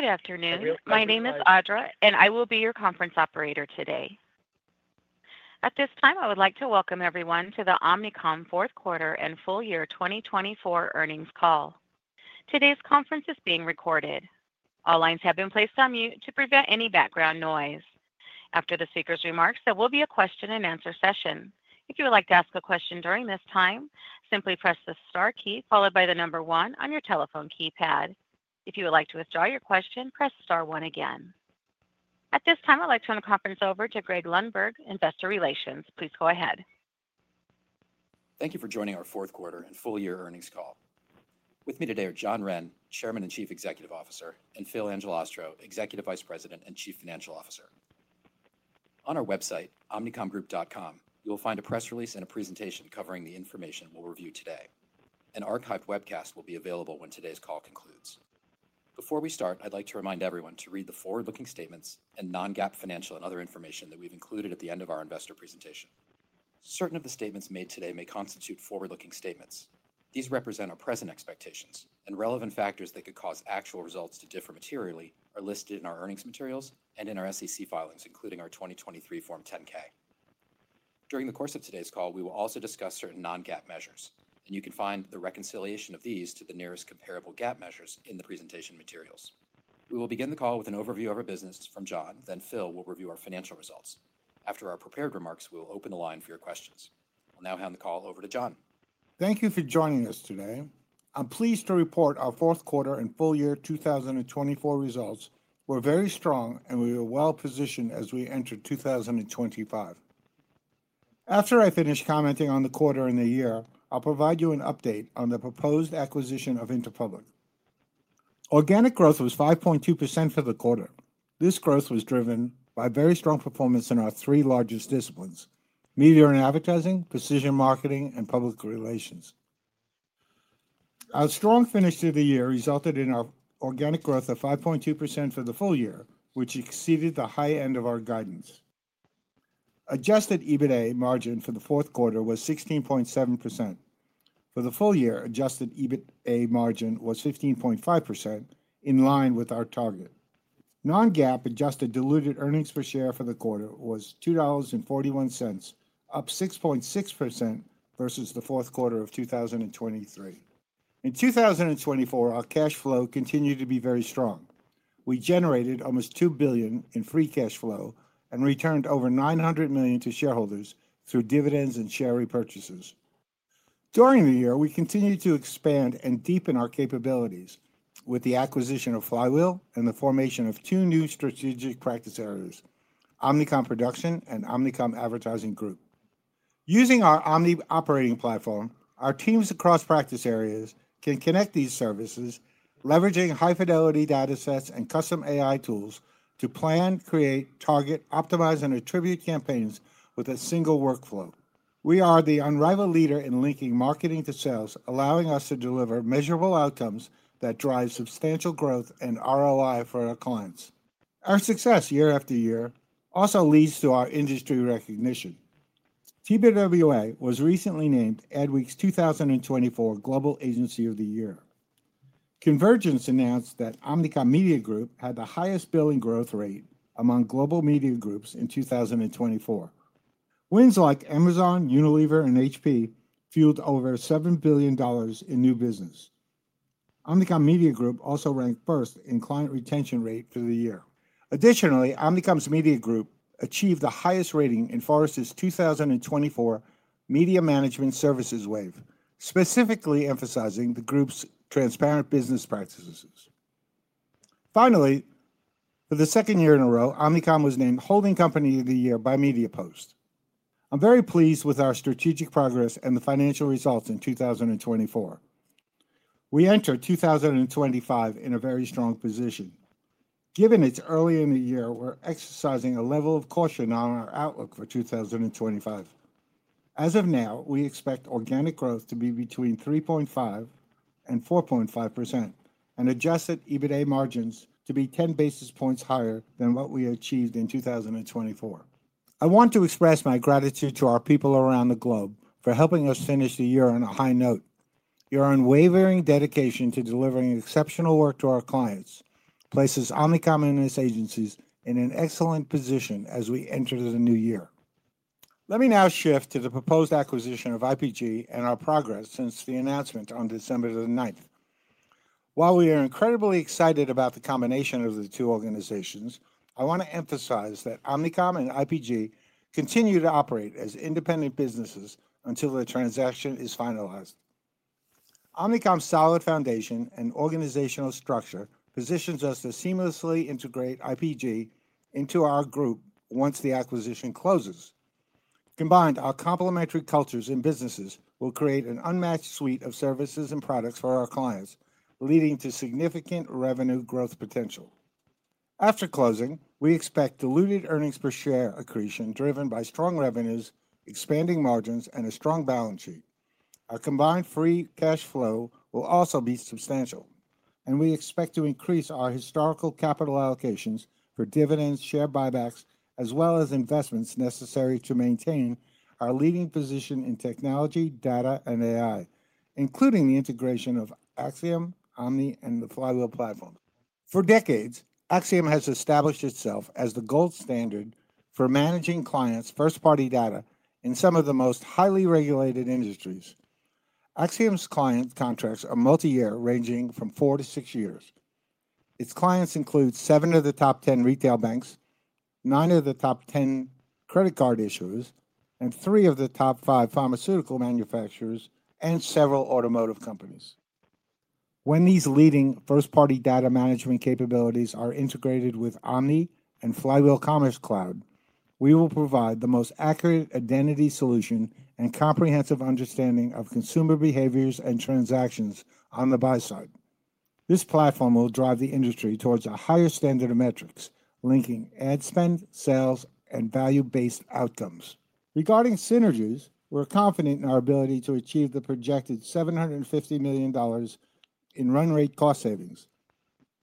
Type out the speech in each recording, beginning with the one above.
Good afternoon. My name is Audra, and I will be your conference operator today. At this time, I would like to welcome everyone to the Omnicom Q4 and Full Year 2024 Earnings Call. Today's conference is being recorded. All lines have been placed on mute to prevent any background noise. After the speaker's remarks, there will be a question-and-answer session. If you would like to ask a question during this time, simply press the star key followed by the number one on your telephone keypad. If you would like to withdraw your question, press star one again. At this time, I'd like to turn the conference over to Greg Lundberg, Investor Relations. Please go ahead. Thank you for joining our Q4 and Full Year Earnings Call. With me today are John Wren, Chairman and Chief Executive Officer, and Phil Angelastro, Executive Vice President and Chief Financial Officer. On our website, omnicomgroup.com, you'll find a press release and a presentation covering the information we'll review today. An archived webcast will be available when today's call concludes. Before we start, I'd like to remind everyone to read the forward-looking statements and non-GAAP financial and other information that we've included at the end of our investor presentation. Certain of the statements made today may constitute forward-looking statements. These represent our present expectations, and relevant factors that could cause actual results to differ materially are listed in our earnings materials and in our SEC filings, including our 2023 Form 10-K. During the course of today's call, we will also discuss certain non-GAAP measures, and you can find the reconciliation of these to the nearest comparable GAAP measures in the presentation materials. We will begin the call with an overview of our business from John, then Phil will review our financial results. After our prepared remarks, we will open the line for your questions. I'll now hand the call over to John. Thank you for joining us today. I'm pleased to report our Q4 and full year 2024 results were very strong, and we were well positioned as we entered 2025. After I finish commenting on the quarter and the year, I'll provide you an update on the proposed acquisition of Interpublic. Organic growth was 5.2% for the quarter. This growth was driven by very strong performance in our three largest disciplines: Media and Advertising, Precision Marketing, and Public Relations. Our strong finish to the year resulted in our organic growth of 5.2% for the full year, which exceeded the high end of our guidance. Adjusted EBITA margin for the Q4 was 16.7%. For the full year, adjusted EBITA margin was 15.5%, in line with our target. Non-GAAP adjusted diluted earnings per share for the quarter was $2.41, up 6.6% versus the Q4 of 2023. In 2024, our cash flow continued to be very strong. We generated almost $2 billion in free cash flow and returned over $900 million to shareholders through dividends and share repurchases. During the year, we continued to expand and deepen our capabilities with the acquisition of Flywheel and the formation of two new strategic practice areas: Omnicom Production and Omnicom Advertising Group. Using our Omni operating platform, our teams across practice areas can connect these services, leveraging high-fidelity data sets and custom AI tools to plan, create, target, optimize, and attribute campaigns with a single workflow. We are the unrivaled leader in linking marketing to sales, allowing us to deliver measurable outcomes that drive substantial growth and ROI for our clients. Our success year after year also leads to our industry recognition. TBWA was recently named Adweek's 2024 Global Agency of the Year. COMvergence announced that Omnicom Media Group had the highest billing growth rate among global media groups in 2024. Wins like Amazon, Unilever, and HP fueled over $7 billion in new business. Omnicom Media Group also ranked first in client retention rate for the year. Additionally, Omnicom's Media Group achieved the highest rating in Forrester's 2024 Media Management Services Wave, specifically emphasizing the group's transparent business practices. Finally, for the second year in a row, Omnicom was named Holding Company of the Year by MediaPost. I'm very pleased with our strategic progress and the financial results in 2024. We enter 2025 in a very strong position. Given it's early in the year, we're exercising a level of caution on our outlook for 2025. As of now, we expect organic growth to be between 3.5% and 4.5% and adjusted EBITA margins to be 10 basis points higher than what we achieved in 2024. I want to express my gratitude to our people around the globe for helping us finish the year on a high note. Your unwavering dedication to delivering exceptional work to our clients places Omnicom and its agencies in an excellent position as we enter the new year. Let me now shift to the proposed acquisition of IPG and our progress since the announcement on December the 9th. While we are incredibly excited about the combination of the two organizations, I want to emphasize that Omnicom and IPG continue to operate as independent businesses until the transaction is finalized. Omnicom's solid foundation and organizational structure positions us to seamlessly integrate IPG into our group once the acquisition closes. Combined, our complementary cultures and businesses will create an unmatched suite of services and products for our clients, leading to significant revenue growth potential. After closing, we expect diluted earnings per share accretion driven by strong revenues, expanding margins, and a strong balance sheet. Our combined free cash flow will also be substantial, and we expect to increase our historical capital allocations for dividends, share buybacks, as well as investments necessary to maintain our leading position in technology, data, and AI, including the integration of Acxiom, Omni, and the Flywheel platform. For decades, Acxiom has established itself as the gold standard for managing clients' first-party data in some of the most highly regulated industries. Acxiom's client contracts are multi-year, ranging from four to six years. Its clients include seven of the top 10 retail banks, nine of the top 10 credit card issuers, and three of the top five pharmaceutical manufacturers and several automotive companies. When these leading first-party data management capabilities are integrated with Omni and Flywheel Commerce Cloud, we will provide the most accurate identity solution and comprehensive understanding of consumer behaviors and transactions on the buy side. This platform will drive the industry towards a higher standard of metrics, linking ad spend, sales, and value-based outcomes. Regarding synergies, we're confident in our ability to achieve the projected $750 million in run rate cost savings.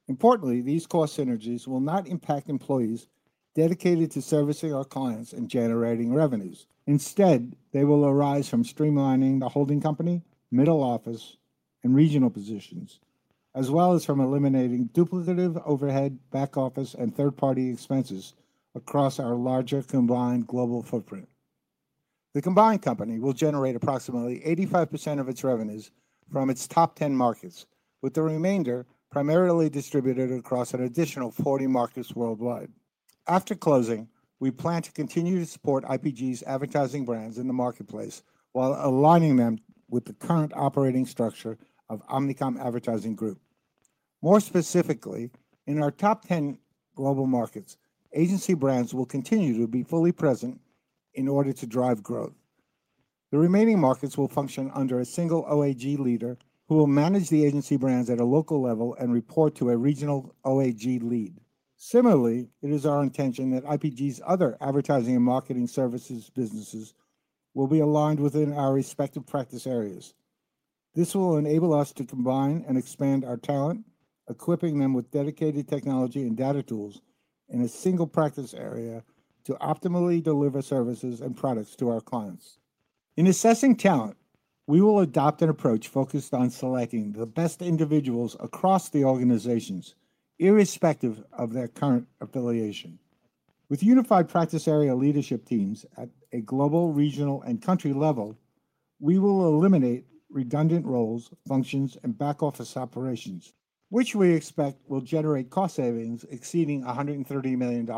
Importantly, these cost synergies will not impact employees dedicated to servicing our clients and generating revenues. Instead, they will arise from streamlining the holding company, middle office, and regional positions, as well as from eliminating duplicative overhead, back office, and third-party expenses across our larger combined global footprint. The combined company will generate approximately 85% of its revenues from its top 10 markets, with the remainder primarily distributed across an additional 40 markets worldwide. After closing, we plan to continue to support IPG's advertising brands in the marketplace while aligning them with the current operating structure of Omnicom Advertising Group. More specifically, in our top 10 global markets, agency brands will continue to be fully present in order to drive growth. The remaining markets will function under a single OAG leader who will manage the agency brands at a local level and report to a regional OAG lead. Similarly, it is our intention that IPG's other advertising and marketing services businesses will be aligned within our respective practice areas. This will enable us to combine and expand our talent, equipping them with dedicated technology and data tools in a single practice area to optimally deliver services and products to our clients. In assessing talent, we will adopt an approach focused on selecting the best individuals across the organizations, irrespective of their current affiliation. With unified practice area leadership teams at a global, regional, and country level, we will eliminate redundant roles, functions, and back office operations, which we expect will generate cost savings exceeding $130 million.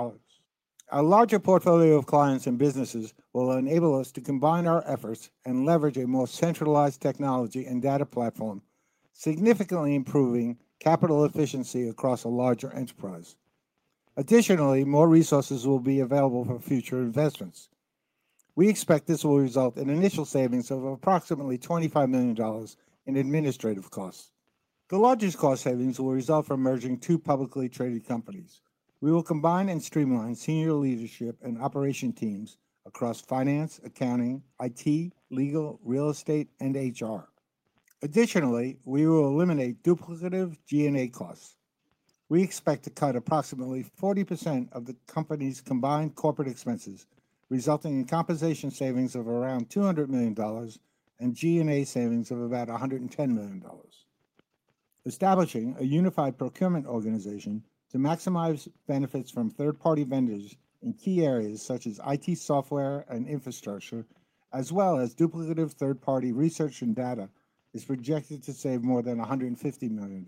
Our larger portfolio of clients and businesses will enable us to combine our efforts and leverage a more centralized technology and data platform, significantly improving capital efficiency across a larger enterprise. Additionally, more resources will be available for future investments. We expect this will result in initial savings of approximately $25 million in administrative costs. The largest cost savings will result from merging two publicly traded companies. We will combine and streamline senior leadership and operation teams across finance, accounting, IT, legal, real estate, and HR. Additionally, we will eliminate duplicative G&A costs. We expect to cut approximately 40% of the company's combined corporate expenses, resulting in compensation savings of around $200 million and G&A savings of about $110 million. Establishing a unified procurement organization to maximize benefits from third-party vendors in key areas such as IT software and infrastructure, as well as duplicative third-party research and data, is projected to save more than $150 million.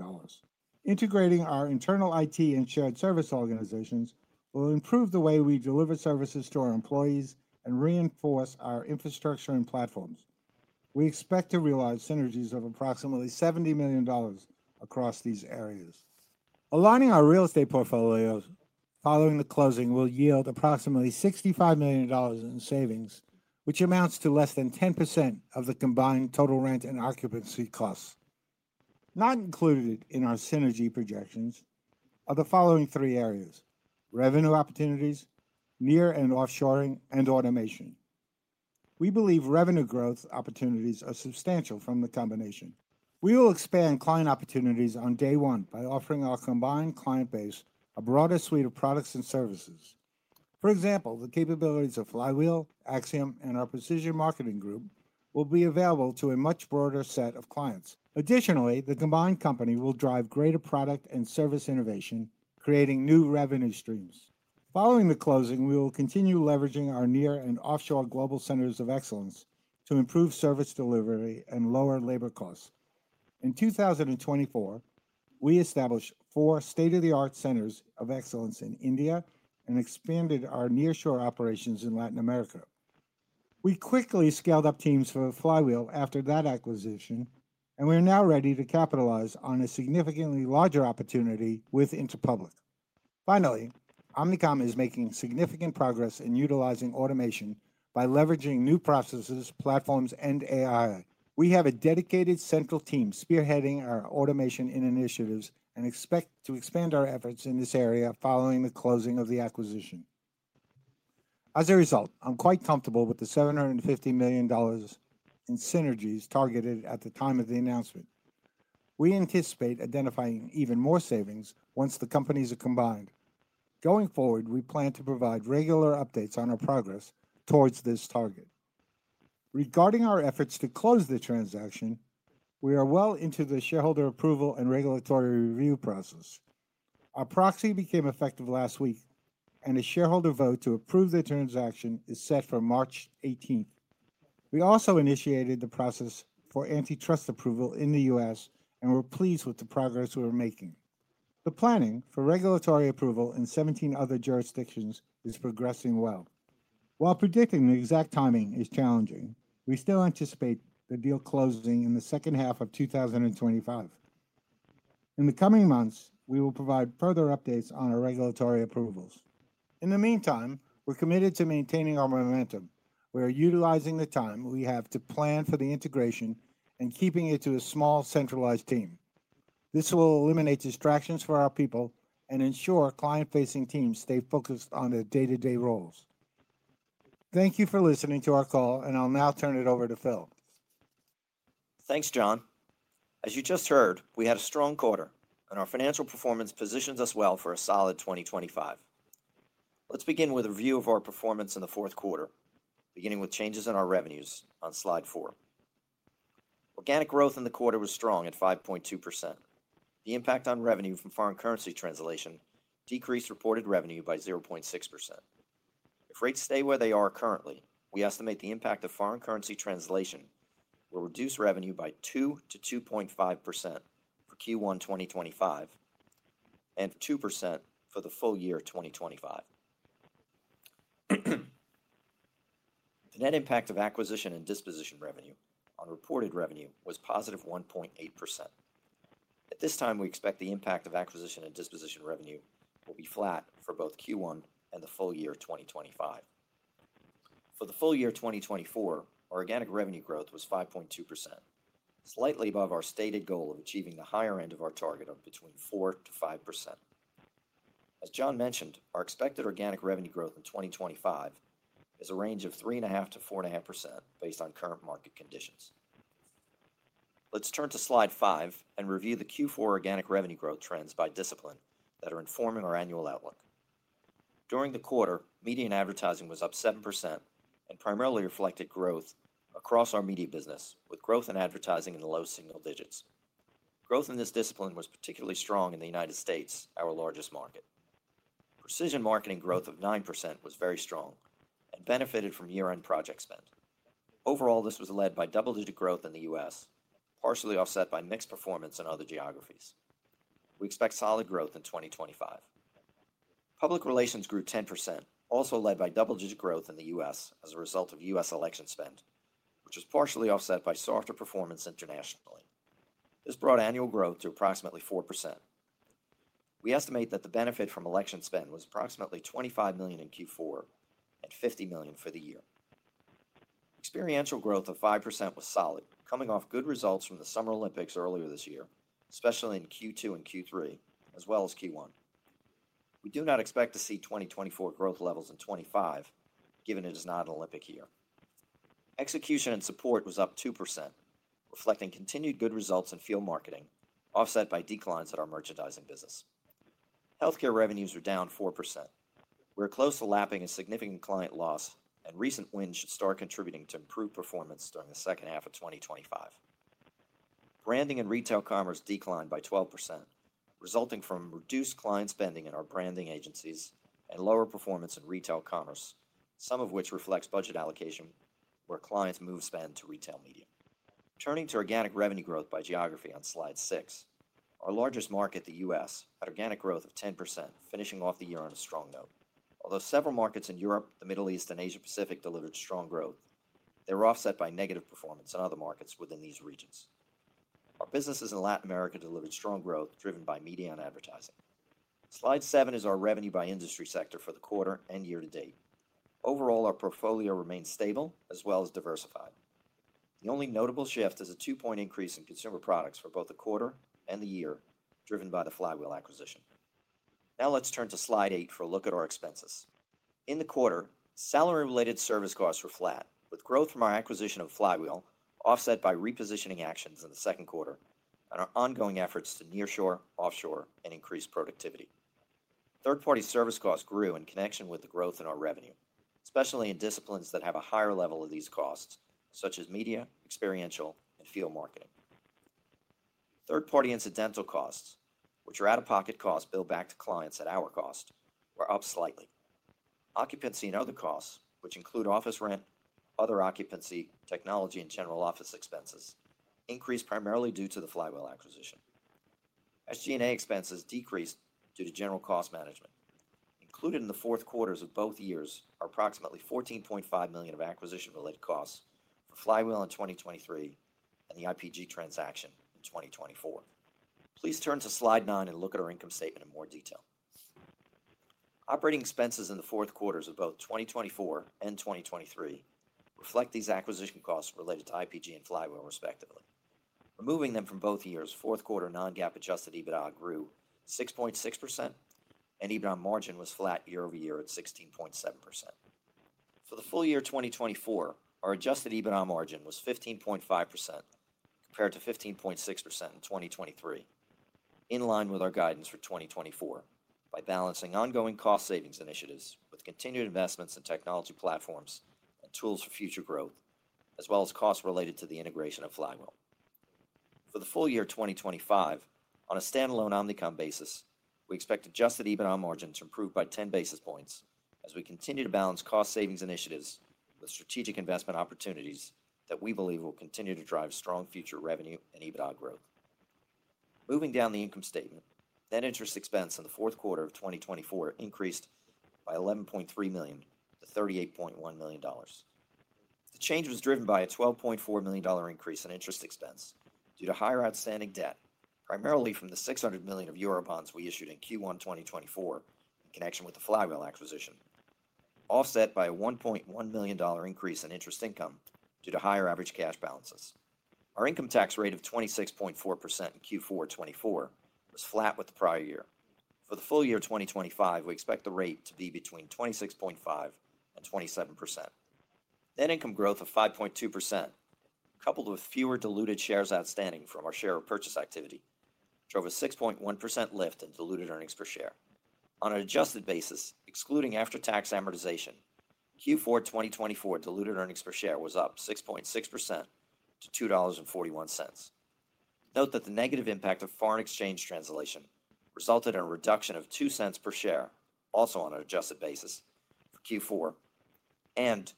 Integrating our internal IT and shared service organizations will improve the way we deliver services to our employees and reinforce our infrastructure and platforms. We expect to realize synergies of approximately $70 million across these areas. Aligning our real estate portfolios following the closing will yield approximately $65 million in savings, which amounts to less than 10% of the combined total rent and occupancy costs. Not included in our synergy projections are the following three areas: revenue opportunities, near and offshoring, and automation. We believe revenue growth opportunities are substantial from the combination. We will expand client opportunities on day one by offering our combined client base a broader suite of products and services. For example, the capabilities of Flywheel, Acxiom, and our Precision Marketing Group will be available to a much broader set of clients. Additionally, the combined company will drive greater product and service innovation, creating new revenue streams. Following the closing, we will continue leveraging our near and offshore global centers of excellence to improve service delivery and lower labor costs. In 2024, we established four state-of-the-art centers of excellence in India and expanded our nearshore operations in Latin America. We quickly scaled up teams for Flywheel after that acquisition, and we're now ready to capitalize on a significantly larger opportunity with Interpublic. Finally, Omnicom is making significant progress in utilizing automation by leveraging new processes, platforms, and AI. We have a dedicated central team spearheading our automation initiatives and expect to expand our efforts in this area following the closing of the acquisition. As a result, I'm quite comfortable with the $750 million in synergies targeted at the time of the announcement. We anticipate identifying even more savings once the companies are combined. Going forward, we plan to provide regular updates on our progress towards this target. Regarding our efforts to close the transaction, we are well into the shareholder approval and regulatory review process. Our proxy became effective last week, and a shareholder vote to approve the transaction is set for March 18th. We also initiated the process for antitrust approval in the U.S. and were pleased with the progress we were making. The planning for regulatory approval in 17 other jurisdictions is progressing well. While predicting the exact timing is challenging, we still anticipate the deal closing in the second half of 2025. In the coming months, we will provide further updates on our regulatory approvals. In the meantime, we're committed to maintaining our momentum. We are utilizing the time we have to plan for the integration and keeping it to a small, centralized team. This will eliminate distractions for our people and ensure client-facing teams stay focused on their day-to-day roles. Thank you for listening to our call, and I'll now turn it over to Phil. Thanks, John. As you just heard, we had a strong quarter, and our financial performance positions us well for a solid 2025. Let's begin with a review of our performance in the Q4, beginning with changes in our revenues on slide four. Organic growth in the quarter was strong at 5.2%. The impact on revenue from foreign currency translation decreased reported revenue by 0.6%. If rates stay where they are currently, we estimate the impact of foreign currency translation will reduce revenue by 2%-2.5% for Q1 2025 and 2% for the full year 2025. The net impact of acquisition and disposition revenue on reported revenue was positive 1.8%. At this time, we expect the impact of acquisition and disposition revenue will be flat for both Q1 and the full year 2025. For the full year 2024, our organic revenue growth was 5.2%, slightly above our stated goal of achieving the higher end of our target of between 4% to 5%. As John mentioned, our expected organic revenue growth in 2025 is a range of 3.5% to 4.5% based on current market conditions. Let's turn to slide five and review the Q4 organic revenue growth trends by discipline that are informing our annual outlook. During the quarter, media and advertising was up 7% and primarily reflected growth across our media business, with growth in advertising in the low single digits. Growth in this discipline was particularly strong in the United States, our largest market. Precision marketing growth of 9% was very strong and benefited from year-end project spend. Overall, this was led by double-digit growth in the US, partially offset by mixed performance in other geographies. We expect solid growth in 2025. Public relations grew 10%, also led by double-digit growth in the US as a result of US election spend, which was partially offset by softer performance internationally. This brought annual growth to approximately 4%. We estimate that the benefit from election spend was approximately $25 million in Q4 and $50 million for the year. Experiential growth of 5% was solid, coming off good results from the Summer Olympics earlier this year, especially in Q2 and Q3, as well as Q1. We do not expect to see 2024 growth levels in 2025, given it is not an Olympic year. Execution and Support was up 2%, reflecting continued good results in field marketing, offset by declines in our merchandising business. Healthcare revenues were down 4%. We're close to lapping a significant client loss, and recent wins should start contributing to improved performance during the second half of 2025. Branding and Retail Commerce declined by 12%, resulting from reduced client spending in our branding agencies and lower performance in retail commerce, some of which reflects budget allocation where clients move spend to retail media. Turning to organic revenue growth by geography on slide six, our largest market, the US, had organic growth of 10%, finishing off the year on a strong note. Although several markets in Europe, the Middle East, and Asia-Pacific delivered strong growth, they were offset by negative performance in other markets within these regions. Our businesses in Latin America delivered strong growth driven by media and advertising. Slide seven is our revenue by industry sector for the quarter and year to date. Overall, our portfolio remains stable as well as diversified. The only notable shift is a two-point increase in consumer products for both the quarter and the year, driven by the Flywheel acquisition. Now let's turn to slide eight for a look at our expenses. In the quarter, salary-related service costs were flat, with growth from our acquisition of Flywheel offset by repositioning actions in the second quarter and our ongoing efforts to nearshore, offshore, and increase productivity. Third-party service costs grew in connection with the growth in our revenue, especially in disciplines that have a higher level of these costs, such as media, experiential, and field marketing. Third-party incidental costs, which are out-of-pocket costs billed back to clients at our cost, were up slightly. Occupancy and other costs, which include office rent, other occupancy, technology, and general office expenses, increased primarily due to the Flywheel acquisition. SG&A expenses decreased due to general cost management. Included in the Q4s of both years are approximately $14.5 million of acquisition-related costs for Flywheel in 2023 and the IPG transaction in 2024. Please turn to slide nine and look at our income statement in more detail. Operating expenses in the Q4s of both 2024 and 2023 reflect these acquisition costs related to IPG and Flywheel respectively. Removing them from both years, Q4 non-GAAP adjusted EBITDA grew 6.6%, and EBITDA margin was flat year over year at 16.7%. For the full year 2024, our adjusted EBITDA margin was 15.5% compared to 15.6% in 2023, in line with our guidance for 2024 by balancing ongoing cost savings initiatives with continued investments in technology platforms and tools for future growth, as well as costs related to the integration of Flywheel. For the full year 2025, on a standalone Omnicom basis, we expect adjusted EBITDA margin to improve by 10 basis points as we continue to balance cost savings initiatives with strategic investment opportunities that we believe will continue to drive strong future revenue and EBITDA growth. Moving down the income statement, net interest expense in the Q4 of 2024 increased by $11.3 million to $38.1 million. The change was driven by a $12.4 million increase in interest expense due to higher outstanding debt, primarily from the $600 million of Eurobonds we issued in Q1 2024 in connection with the Flywheel acquisition, offset by a $1.1 million increase in interest income due to higher average cash balances. Our income tax rate of 26.4% in Q4 2024 was flat with the prior year. For the full year 2025, we expect the rate to be between 26.5% and 27%. Net income growth of 5.2%, coupled with fewer diluted shares outstanding from our share repurchase activity, drove a 6.1% lift in diluted earnings per share. On an adjusted basis, excluding after-tax amortization, Q4 2024 diluted earnings per share was up 6.6% to $2.41. Note that the negative impact of foreign exchange translation resulted in a reduction of $0.02 per share, also on an adjusted basis, for Q4 and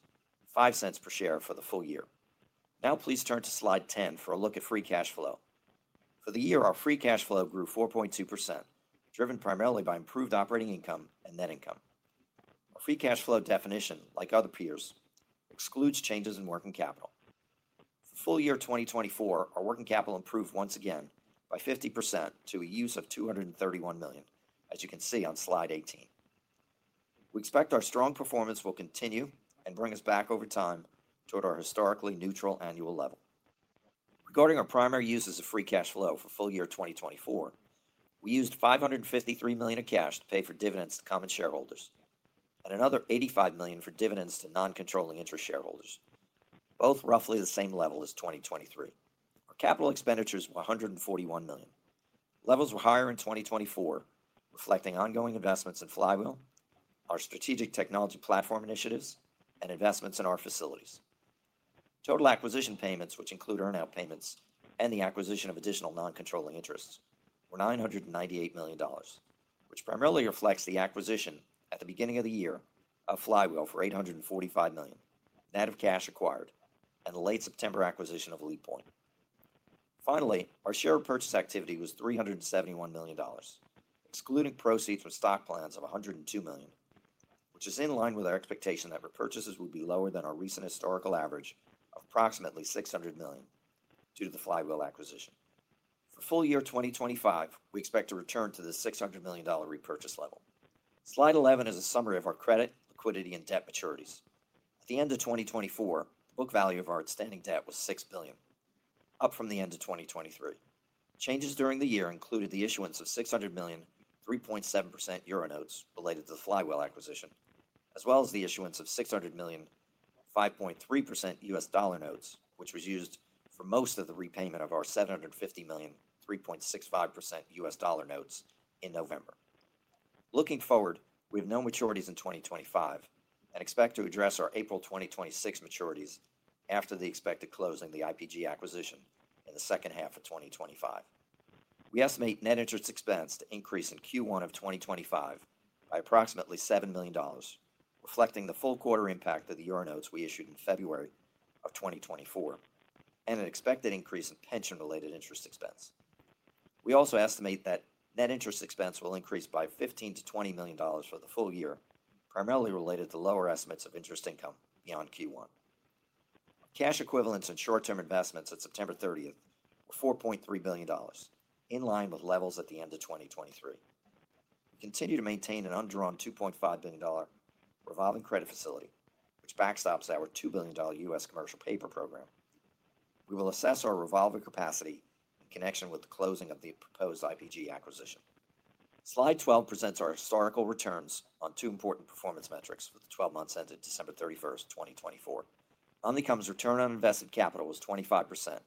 $0.05 per share for the full year. Now please turn to slide 10 for a look at free cash flow. For the year, our free cash flow grew 4.2%, driven primarily by improved operating income and net income. Our free cash flow definition, like other peers, excludes changes in working capital. For full year 2024, our working capital improved once again by 50% to a use of $231 million, as you can see on slide 18. We expect our strong performance will continue and bring us back over time toward our historically neutral annual level. Regarding our primary uses of free cash flow for full year 2024, we used $553 million of cash to pay for dividends to common shareholders and another $85 million for dividends to non-controlling interest shareholders, both roughly the same level as 2023. Our capital expenditures were $141 million. Levels were higher in 2024, reflecting ongoing investments in Flywheel, our strategic technology platform initiatives, and investments in our facilities. Total acquisition payments, which include earnout payments and the acquisition of additional non-controlling interests, were $998 million, which primarily reflects the acquisition at the beginning of the year of Flywheel for $845 million, net of cash acquired, and the late September acquisition of LeapPoint. Finally, our share repurchase activity was $371 million, excluding proceeds from stock plans of $102 million, which is in line with our expectation that repurchases would be lower than our recent historical average of approximately $600 million due to the Flywheel acquisition. For full year 2025, we expect to return to the $600 million repurchase level. Slide 11 is a summary of our credit, liquidity, and debt maturities. At the end of 2024, the book value of our outstanding debt was $6 billion, up from the end of 2023. Changes during the year included the issuance of $600 million, 3.7% Euronotes related to the Flywheel acquisition, as well as the issuance of $600 million, 5.3% U.S. dollar notes, which was used for most of the repayment of our $750 million, 3.65% U.S. dollar notes in November. Looking forward, we have no maturities in 2025 and expect to address our April 2026 maturities after the expected closing of the IPG acquisition in the second half of 2025. We estimate net interest expense to increase in Q1 of 2025 by approximately $7 million, reflecting the full quarter impact of the Euronotes we issued in February of 2024 and an expected increase in pension-related interest expense. We also estimate that net interest expense will increase by $15-$20 million for the full year, primarily related to lower estimates of interest income beyond Q1. Cash equivalents and short-term investments at September 30th were $4.3 billion, in line with levels at the end of 2023. We continue to maintain an under-drawn $2.5 billion revolving credit facility, which backstops our $2 billion U.S. commercial paper program. We will assess our revolving capacity in connection with the closing of the proposed IPG acquisition. Slide 12 presents our historical returns on two important performance metrics for the 12 months ended December 31st, 2024. Omnicom's return on invested capital was 25%, and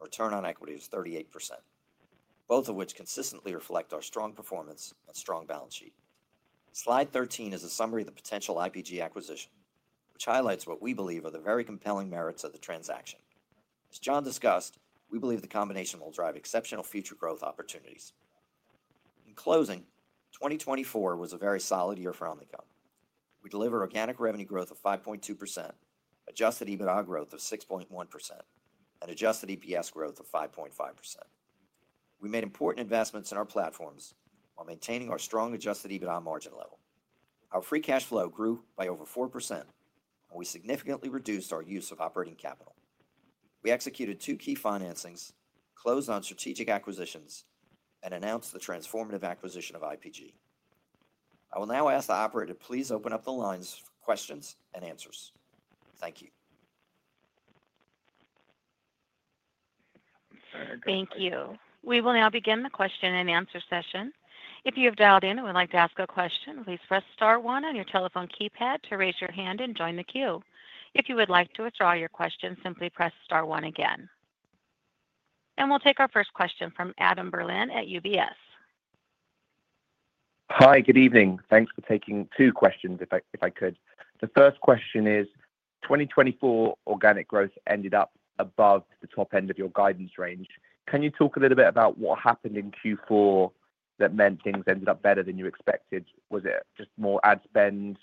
return on equity was 38%, both of which consistently reflect our strong performance and strong balance sheet. Slide 13 is a summary of the potential IPG acquisition, which highlights what we believe are the very compelling merits of the transaction. As John discussed, we believe the combination will drive exceptional future growth opportunities. In closing, 2024 was a very solid year for Omnicom. We deliver organic revenue growth of 5.2%, adjusted EBITDA growth of 6.1%, and adjusted EPS growth of 5.5%. We made important investments in our platforms while maintaining our strong adjusted EBITDA margin level. Our free cash flow grew by over 4%, and we significantly reduced our use of operating capital. We executed two key financings, closed on strategic acquisitions, and announced the transformative acquisition of IPG. I will now ask the operator to please open up the lines for questions and answers. Thank you. Thank you. We will now begin the question and answer session. If you have dialed in and would like to ask a question, please press star one on your telephone keypad to raise your hand and join the queue. If you would like to withdraw your question, simply press star one again. And we'll take our first question from Adam Berlin at UBS. Hi, good evening. Thanks for taking two questions, if I could. The first question is, 2024 organic growth ended up above the top end of your guidance range. Can you talk a little bit about what happened in Q4 that meant things ended up better than you expected? Was it just more ad spend,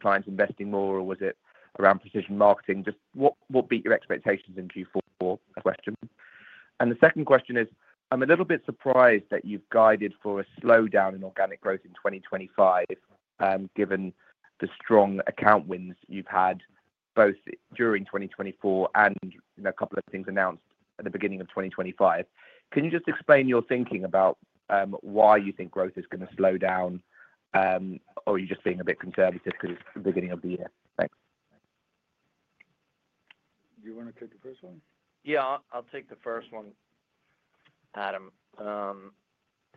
clients investing more, or was it around precision marketing? Just what beat your expectations in Q4 [inaudible] and the second question is, I'm a little bit surprised that you've guided for a slowdown in organic growth in 2025, given the strong account wins you've had both during 2024 and a couple of things announced at the beginning of 2025. Can you just explain your thinking about why you think growth is going to slow down, or are you just being a bit conservative because it's the beginning of the year? Thanks. Do you want to take the first one? Yeah, I'll take the first one, Adam.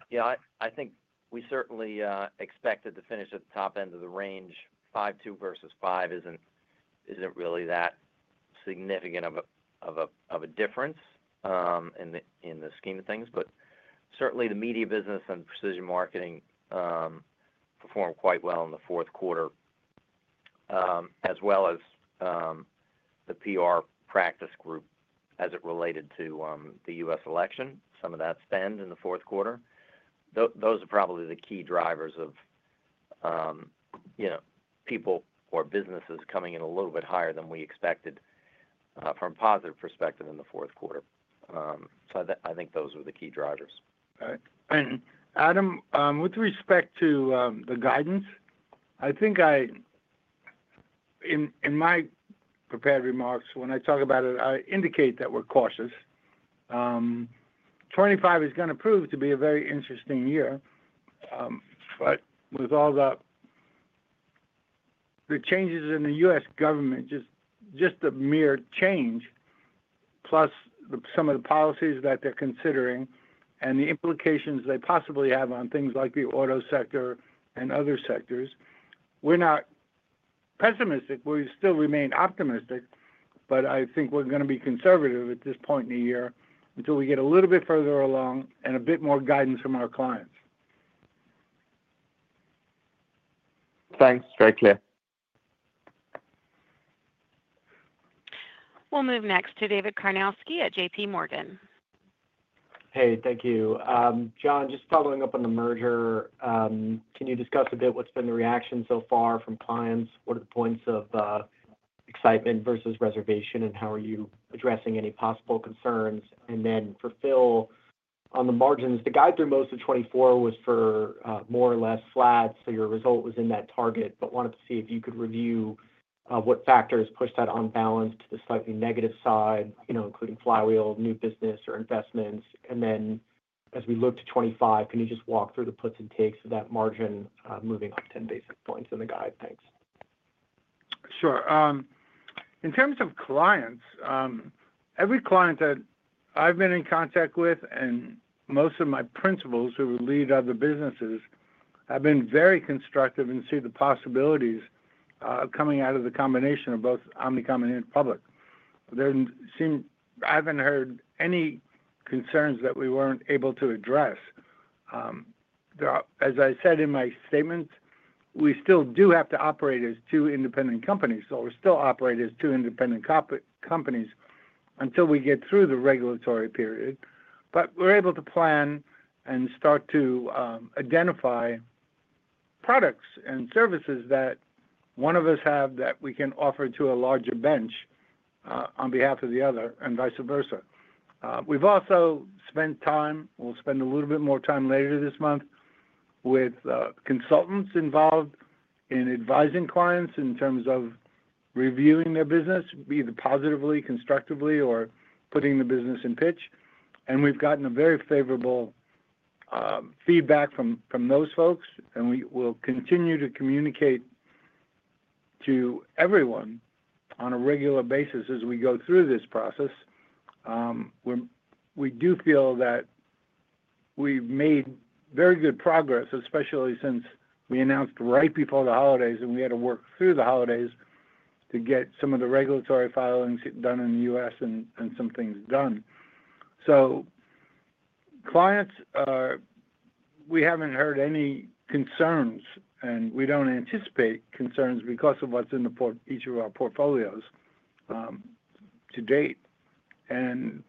Yeah, I think we certainly expected to finish at the top end of the range. 5.2 versus 5 isn't really that significant of a difference in the scheme of things. But certainly, the media business and precision marketing performed quite well in the Q4, as well as the PR practice group as it related to the US election. Some of that spend in the Q4. Those are probably the key drivers of people or businesses coming in a little bit higher than we expected from a positive perspective in the Q4. So I think those were the key drivers. All right. And Adam, with respect to the guidance, I think in my prepared remarks, when I talk about it, I indicate that we're cautious. 2025 is going to prove to be a very interesting year. But with all the changes in the US government, just the mere change, plus some of the policies that they're considering and the implications they possibly have on things like the auto sector and other sectors, we're not pessimistic. We still remain optimistic, but I think we're going to be conservative at this point in the year until we get a little bit further along and a bit more guidance from our clients. Thanks. Very clear. We'll move next to David Karnovsky at JPMorgan. Hey, thank you. John, just following up on the merger, can you discuss a bit what's been the reaction so far from clients? What are the points of excitement versus reservation, and how are you addressing any possible concerns? And then for Phil, on the margins, the guide through most of 2024 was for more or less flat, so your result was in that target, but wanted to see if you could review what factors pushed that imbalance to the slightly negative side, including Flywheel, new business, or investments. And then as we look to 2025, can you just walk through the puts and takes of that margin moving up 10 basis points in the guide? Thanks. Sure. In terms of clients, every client that I've been in contact with and most of my principals, who lead other businesses, have been very constructive and see the possibilities coming out of the combination of both Omnicom and Interpublic. I haven't heard any concerns that we weren't able to address. As I said in my statement, we still do have to operate as two independent companies, or still operate as two independent companies until we get through the regulatory period. But we're able to plan and start to identify products and services that one of us has that we can offer to a larger bench on behalf of the other and vice versa. We've also spent time, we'll spend a little bit more time later this month, with consultants involved in advising clients in terms of reviewing their business, either positively, constructively, or putting the business in pitch. And we've gotten very favorable feedback from those folks, and we will continue to communicate to everyone on a regular basis as we go through this process. We do feel that we've made very good progress, especially since we announced right before the holidays, and we had to work through the holidays to get some of the regulatory filings done in the U.S. and some things done. So clients, we haven't heard any concerns, and we don't anticipate concerns because of what's in each of our portfolios to date. And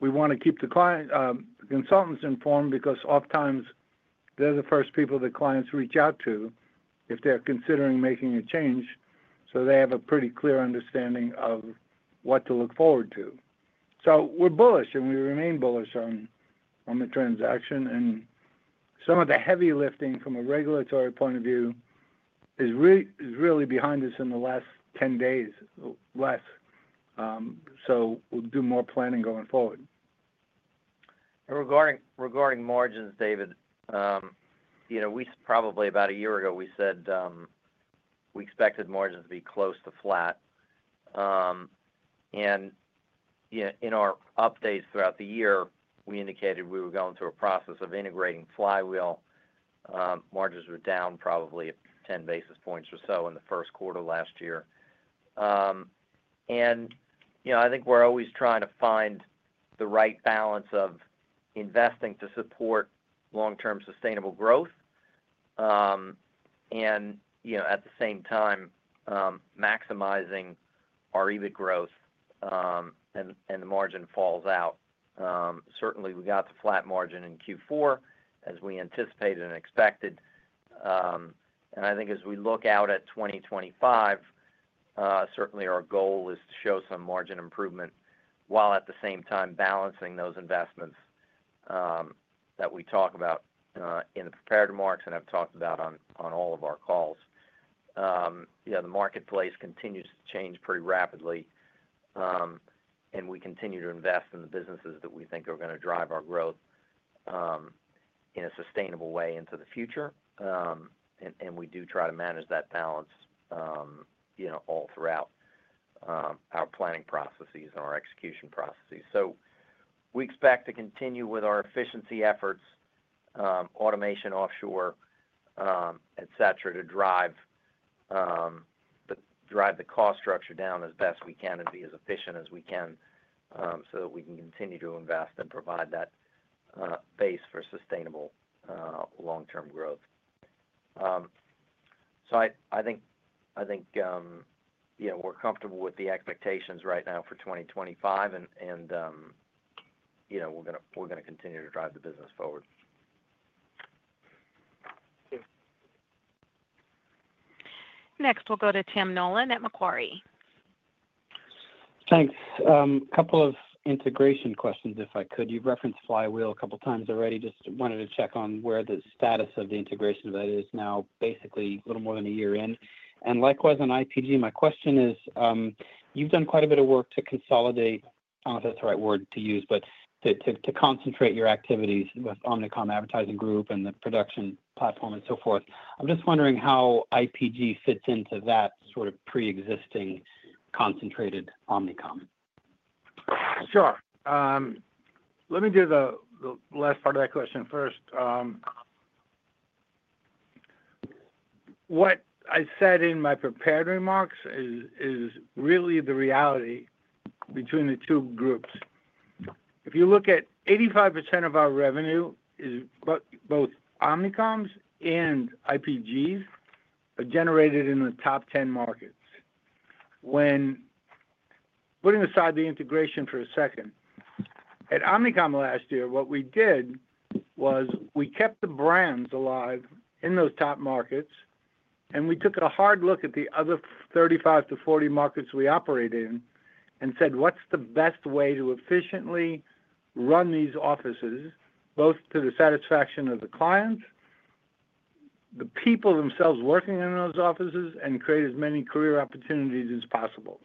we want to keep the consultants informed because oftentimes they're the first people that clients reach out to if they're considering making a change, so they have a pretty clear understanding of what to look forward to. So we're bullish, and we remain bullish on the transaction. Some of the heavy lifting from a regulatory point of view is really behind us in the last 10 days or less, so we'll do more planning going forward. Regarding margins, David, probably about a year ago, we said we expected margins to be close to flat, and in our updates throughout the year, we indicated we were going through a process of integrating Flywheel. Margins were down probably 10 basis points or so in the Q1 last year, and I think we're always trying to find the right balance of investing to support long-term sustainable growth and, at the same time, maximizing our EBIT growth, and the margin falls out. Certainly, we got the flat margin in Q4, as we anticipated and expected, and I think as we look out at 2025, certainly our goal is to show some margin improvement while at the same time balancing those investments that we talk about in the prepared remarks and have talked about on all of our calls. The marketplace continues to change pretty rapidly, and we continue to invest in the businesses that we think are going to drive our growth in a sustainable way into the future, and we do try to manage that balance all throughout our planning processes and our execution processes, so we expect to continue with our efficiency efforts, automation offshore, etc., to drive the cost structure down as best we can and be as efficient as we can so that we can continue to invest and provide that base for sustainable long-term growth, so I think we're comfortable with the expectations right now for 2025, and we're going to continue to drive the business forward. Next, we'll go to Tim Nollen at Macquarie. Thanks. A couple of integration questions, if I could. You've referenced Flywheel a couple of times already. Just wanted to check on where the status of the integration of that is now, basically a little more than a year in. And likewise on IPG, my question is, you've done quite a bit of work to consolidate. I don't know if that's the right word to use, but to concentrate your activities with Omnicom Advertising Group and the production platform and so forth. I'm just wondering how IPG fits into that sort of pre-existing concentrated Omnicom. Sure. Let me do the last part of that question first. What I said in my prepared remarks is really the reality between the two groups. If you look at 85% of our revenue, both Omnicom's and IPG's are generated in the top 10 markets. When putting aside the integration for a second, at Omnicom last year, what we did was we kept the brands alive in those top markets, and we took a hard look at the other 35-40 markets we operate in and said, "What's the best way to efficiently run these offices, both to the satisfaction of the clients, the people themselves working in those offices, and create as many career opportunities as possible?"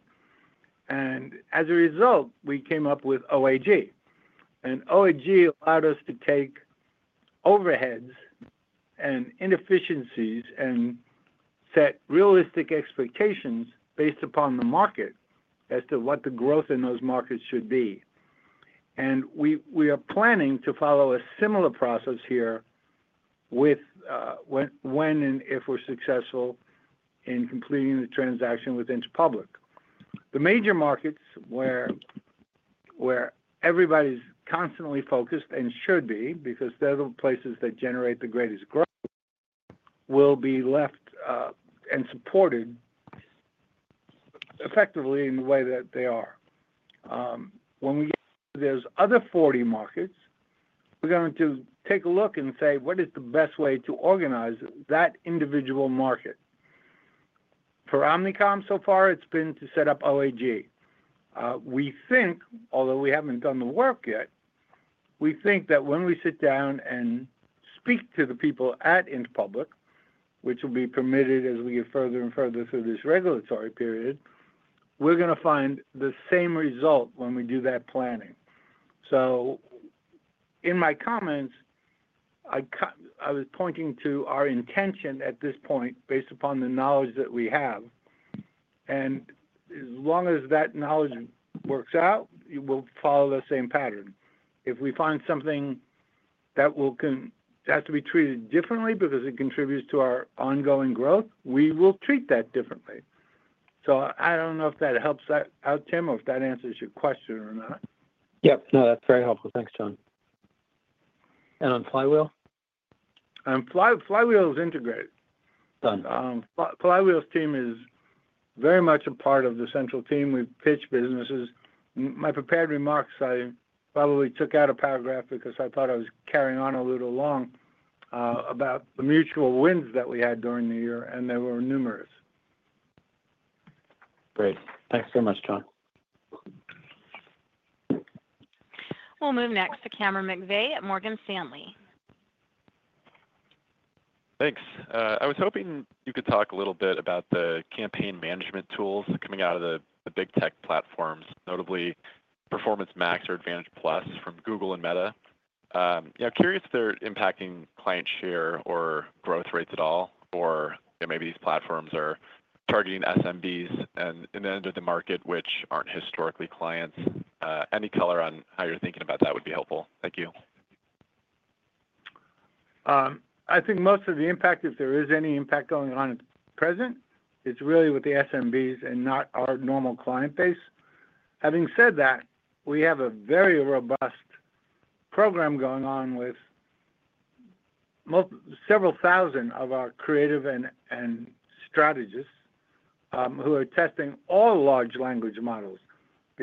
And as a result, we came up with OAG. OAG allowed us to take overheads and inefficiencies and set realistic expectations based upon the market as to what the growth in those markets should be. We are planning to follow a similar process here when and if we're successful in completing the transaction with Interpublic. The major markets where everybody's constantly focused and should be, because they're the places that generate the greatest growth, will be left and supported effectively in the way that they are. When we get to those other 40 markets, we're going to take a look and say, "What is the best way to organize that individual market?" For Omnicom, so far, it's been to set up OAG. We think, although we haven't done the work yet, we think that when we sit down and speak to the people at Interpublic, which will be permitted as we get further and further through this regulatory period, we're going to find the same result when we do that planning. In my comments, I was pointing to our intention at this point based upon the knowledge that we have. And as long as that knowledge works out, we'll follow the same pattern. If we find something that has to be treated differently because it contributes to our ongoing growth, we will treat that differently. I don't know if that helps out, Tim, or if that answers your question or not. Yep. No, that's very helpful. Thanks, John. And on Flywheel? Flywheel is integrated. Flywheel's team is very much a part of the central team. We pitch businesses. My prepared remarks, I probably took out a paragraph because I thought I was carrying on a little long about the mutual wins that we had during the year, and they were numerous. Great. Thanks very much, John. We'll move next to Cameron McVeigh at Morgan Stanley. Thanks. I was hoping you could talk a little bit about the campaign management tools coming out of the big tech platforms, notably Performance Max or Advantage+ from Google and Meta. Curious if they're impacting client share or growth rates at all, or maybe these platforms are targeting SMBs in the end of the market, which aren't historically clients. Any color on how you're thinking about that would be helpful. Thank you. I think most of the impact, if there is any impact going on at present, is really with the SMBs and not our normal client base. Having said that, we have a very robust program going on with several thousand of our creatives and strategists who are testing all large language models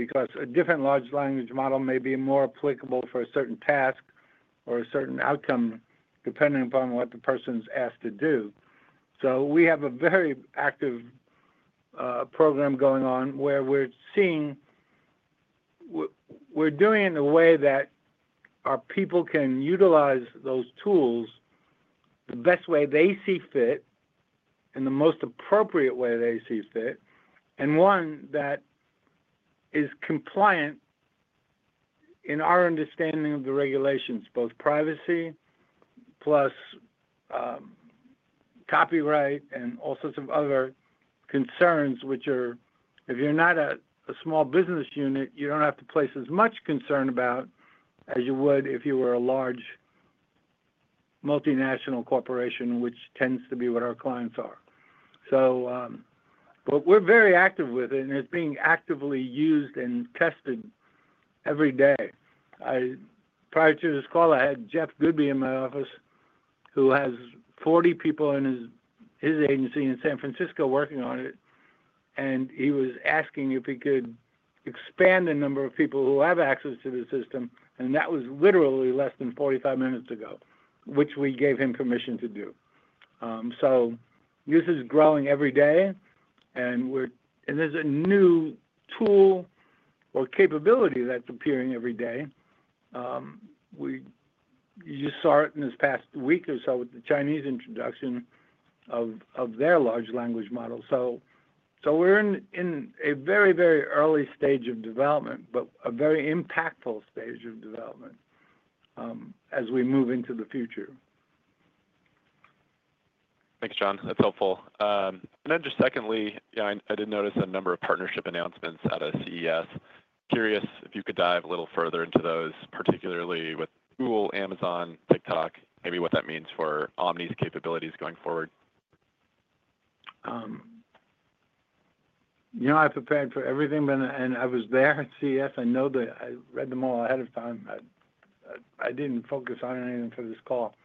because a different large language model may be more applicable for a certain task or a certain outcome depending upon what the person's asked to do. So we have a very active program going on where we're doing it in a way that our people can utilize those tools the best way they see fit and the most appropriate way they see fit, and one that is compliant in our understanding of the regulations, both privacy plus copyright and all sorts of other concerns, which are, if you're not a small business unit, you don't have to place as much concern about as you would if you were a large multinational corporation, which tends to be what our clients are. But we're very active with it, and it's being actively used and tested every day. Prior to this call, I had Jeff Goodby in my office, who has 40 people in his agency in San Francisco working on it, and he was asking if he could expand the number of people who have access to the system, and that was literally less than 45 minutes ago, which we gave him permission to do. So this is growing every day, and there's a new tool or capability that's appearing every day. You saw it in this past week or so with the Chinese introduction of their large language model. So we're in a very, very early stage of development, but a very impactful stage of development as we move into the future. Thanks, John. That's helpful. And then just secondly, I did notice a number of partnership announcements out of CES. Curious if you could dive a little further into those, particularly with Google, Amazon, TikTok, maybe what that means for Omni's capabilities going forward. I prepared for everything, and I was there at CES. I know that I read them all ahead of time. I didn't focus on anything for this call.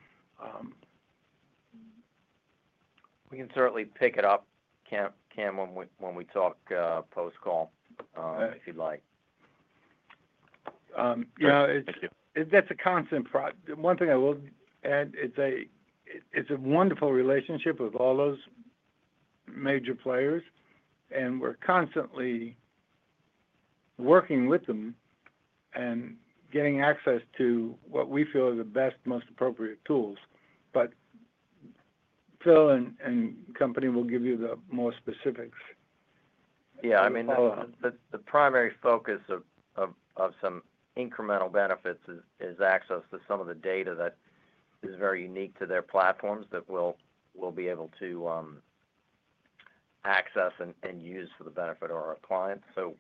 We can certainly pick it up, Cam, when we talk post-call if you'd like. Yeah. That's a constant problem. One thing I will add is a wonderful relationship with all those major players, and we're constantly working with them and getting access to what we feel are the best, most appropriate tools. But Phil and company will give you the more specifics. Yeah. I mean, the primary focus of some incremental benefits is access to some of the data that is very unique to their platforms that we'll be able to access and use for the benefit of our clients, so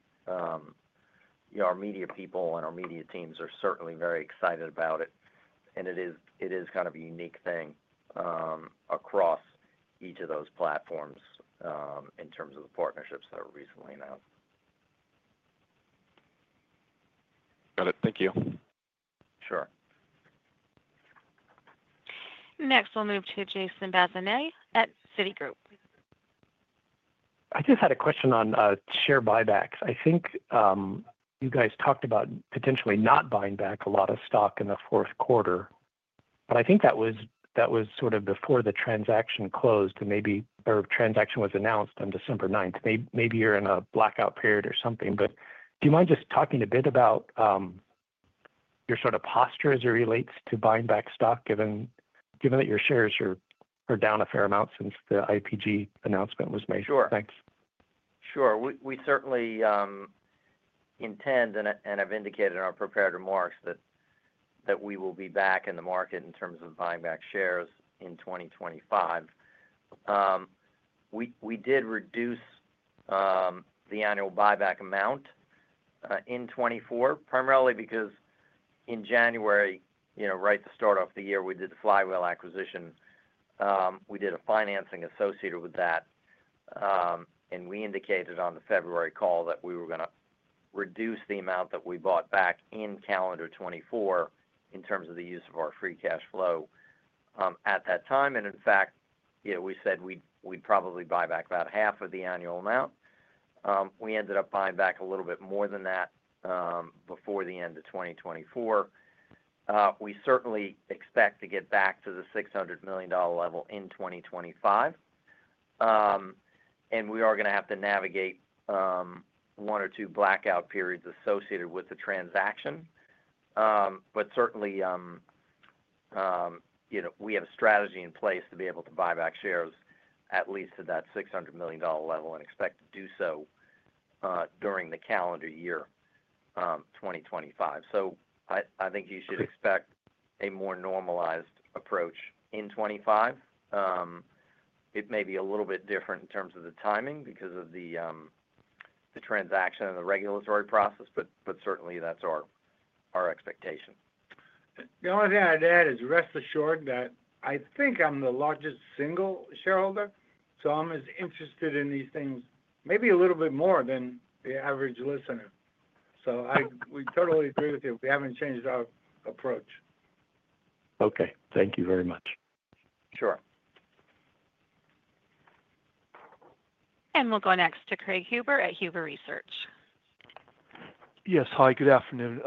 our media people and our media teams are certainly very excited about it, and it is kind of a unique thing across each of those platforms in terms of the partnerships that are recently announced. Got it. Thank you. Sure. Next, we'll move to Jason Bazinet at Citigroup. I just had a question on share buybacks. I think you guys talked about potentially not buying back a lot of stock in the Q4, but I think that was sort of before the transaction closed or transaction was announced on December 9th. Maybe you're in a blackout period or something, but do you mind just talking a bit about your sort of posture as it relates to buying back stock, given that your shares are down a fair amount since the IPG announcement was made? Sure. Thanks. Sure. We certainly intend, and I've indicated in our prepared remarks that we will be back in the market in terms of buying back shares in 2025. We did reduce the annual buyback amount in 2024, primarily because in January, right at the start of the year, we did the Flywheel acquisition. We did a financing associated with that, and we indicated on the February call that we were going to reduce the amount that we bought back in calendar 2024 in terms of the use of our free cash flow at that time. And in fact, we said we'd probably buy back about half of the annual amount. We ended up buying back a little bit more than that before the end of 2024. We certainly expect to get back to the $600 million level in 2025, and we are going to have to navigate one or two blackout periods associated with the transaction. But certainly, we have a strategy in place to be able to buy back shares at least to that $600 million level and expect to do so during the calendar year 2025. So I think you should expect a more normalized approach in 2025. It may be a little bit different in terms of the timing because of the transaction and the regulatory process, but certainly, that's our expectation. The only thing I'd add is rest assured that I think I'm the largest single shareholder, so I'm as interested in these things maybe a little bit more than the average listener. So we totally agree with you. We haven't changed our approach. Okay. Thank you very much. Sure. We'll go next to Craig Huber at Huber Research. Yes. Hi. Good afternoon.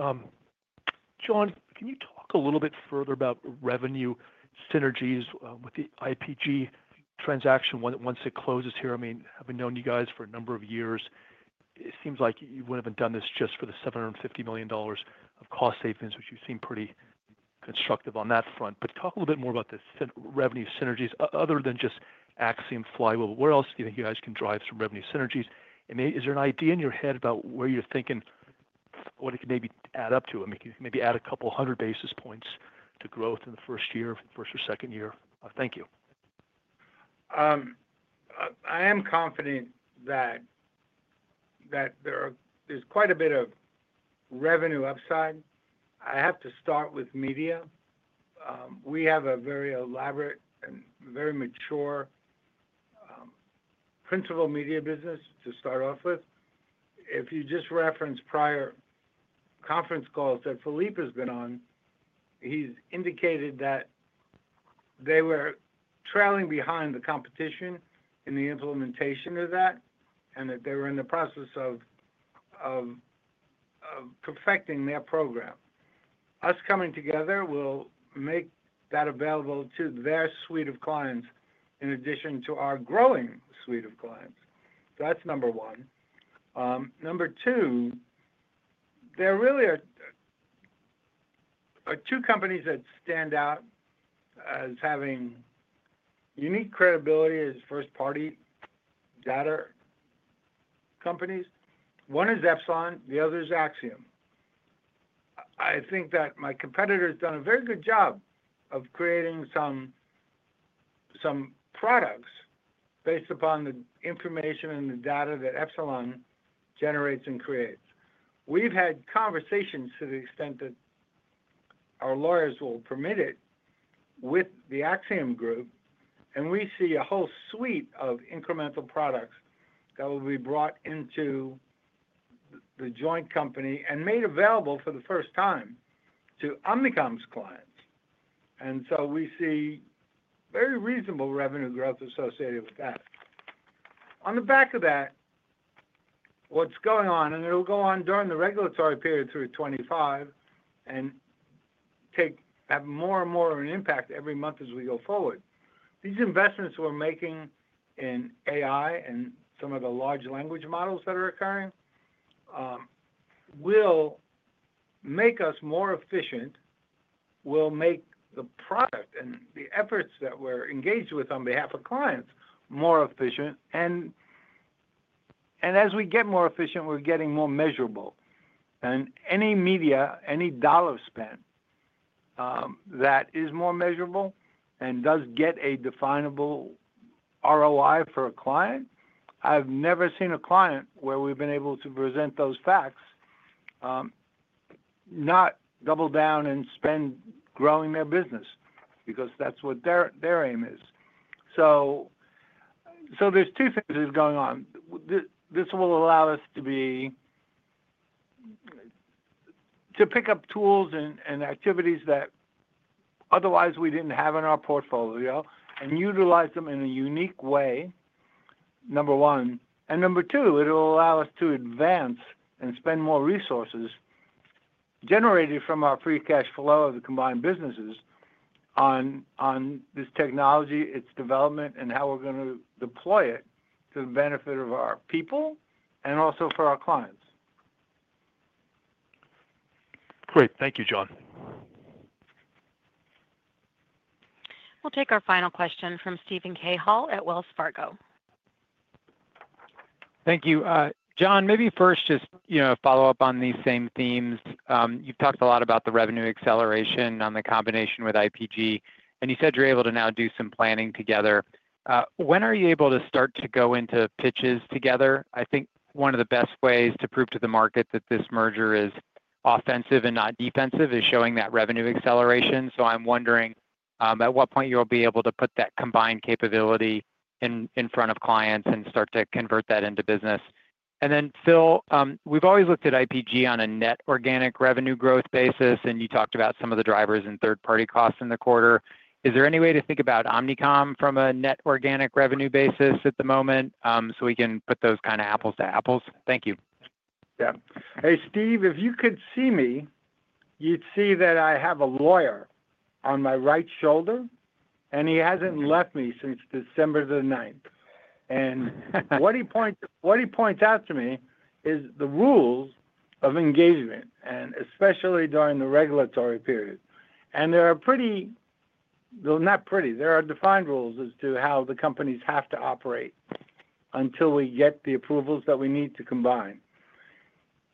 John, can you talk a little bit further about revenue synergies with the IPG transaction once it closes here? I mean, I've known you guys for a number of years. It seems like you wouldn't have done this just for the $750 million of cost savings, which you seem pretty constructive on that front. But talk a little bit more about the revenue synergies other than just Acxiom Flywheel. Where else do you think you guys can drive some revenue synergies? And is there an idea in your head about where you're thinking what it could maybe add up to? I mean, could you maybe add a couple hundred basis points to growth in the first year, first or second year? Thank you. I am confident that there's quite a bit of revenue upside. I have to start with media. We have a very elaborate and very mature principal media business to start off with. If you just reference prior conference calls that Philippe has been on, he's indicated that they were trailing behind the competition in the implementation of that and that they were in the process of perfecting their program. Us coming together will make that available to their suite of clients in addition to our growing suite of clients. That's number one. Number two, there really are two companies that stand out as having unique credibility as first-party data companies. One is Epsilon. The other is Acxiom. I think that my competitor has done a very good job of creating some products based upon the information and the data that Epsilon generates and creates. We've had conversations to the extent that our lawyers will permit it with the Acxiom Group, and we see a whole suite of incremental products that will be brought into the joint company and made available for the first time to Omnicom's clients, and so we see very reasonable revenue growth associated with that. On the back of that, what's going on, and it'll go on during the regulatory period through 2025 and have more and more of an impact every month as we go forward. These investments we're making in AI and some of the large language models that are occurring will make us more efficient, will make the product and the efforts that we're engaged with on behalf of clients more efficient, and as we get more efficient, we're getting more measurable. Any media, any dollar spent that is more measurable and does get a definable ROI for a client. I've never seen a client where we've been able to present those facts, not double down and spend growing their business because that's what their aim is. There's two things that are going on. This will allow us to pick up tools and activities that otherwise we didn't have in our portfolio and utilize them in a unique way, number one. Number two, it'll allow us to advance and spend more resources generated from our free cash flow of the combined businesses on this technology, its development, and how we're going to deploy it to the benefit of our people and also for our clients. Great. Thank you, John. We'll take our final question from Steven Cahill at Wells Fargo. Thank you. John, maybe first just follow up on these same themes. You've talked a lot about the revenue acceleration on the combination with IPG, and you said you're able to now do some planning together. When are you able to start to go into pitches together? I think one of the best ways to prove to the market that this merger is offensive and not defensive is showing that revenue acceleration. So I'm wondering at what point you'll be able to put that combined capability in front of clients and start to convert that into business. And then, Phil, we've always looked at IPG on a net organic revenue growth basis, and you talked about some of the drivers and third-party costs in the quarter. Is there any way to think about Omnicom from a net organic revenue basis at the moment so we can put those kind of apples to apples? Thank you. Yeah. Hey, Steve, if you could see me, you'd see that I have a lawyer on my right shoulder, and he hasn't left me since December the 9th. And what he points out to me is the rules of engagement, and especially during the regulatory period. And they're pretty, well, not pretty. There are defined rules as to how the companies have to operate until we get the approvals that we need to combine.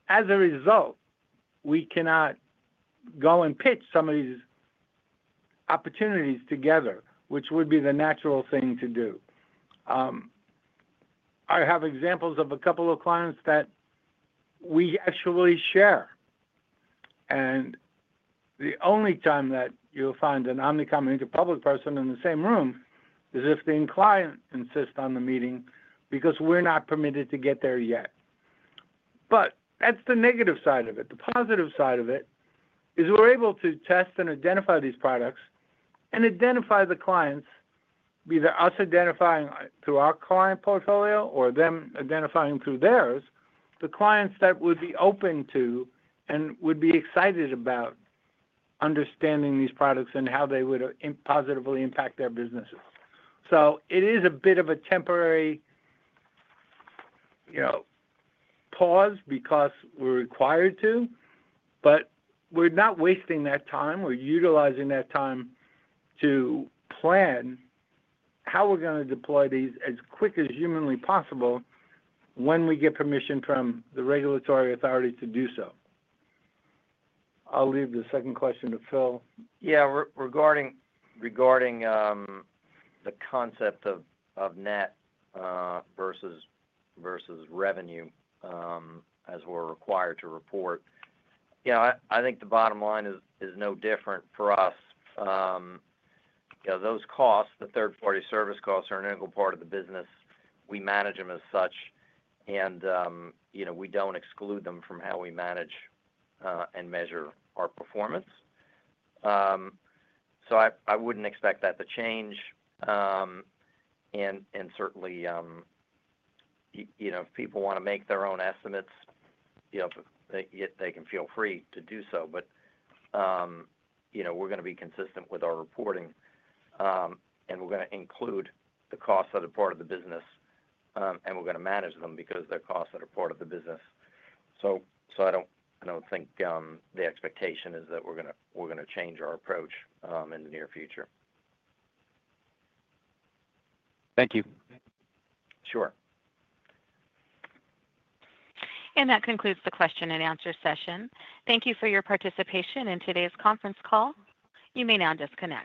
As a result, we cannot go and pitch some of these opportunities together, which would be the natural thing to do. I have examples of a couple of clients that we actually share. And the only time that you'll find an Omnicom Interpublic person in the same room is if the client insists on the meeting because we're not permitted to get there yet. But that's the negative side of it. The positive side of it is we're able to test and identify these products and identify the clients, either us identifying through our client portfolio or them identifying through theirs, the clients that would be open to and would be excited about understanding these products and how they would positively impact their businesses, so it is a bit of a temporary pause because we're required to, but we're not wasting that time. We're utilizing that time to plan how we're going to deploy these as quick as humanly possible when we get permission from the regulatory authority to do so. I'll leave the second question to Phil. Yeah. Regarding the concept of net versus revenue as we're required to report, I think the bottom line is no different for us. Those costs, the third-party service costs, are an integral part of the business. We manage them as such, and we don't exclude them from how we manage and measure our performance. So I wouldn't expect that to change. And certainly, if people want to make their own estimates, they can feel free to do so. But we're going to be consistent with our reporting, and we're going to include the costs that are part of the business, and we're going to manage them because they're costs that are part of the business. So I don't think the expectation is that we're going to change our approach in the near future. Thank you. Sure. And that concludes the question and answer session. Thank you for your participation in today's conference call. You may now disconnect.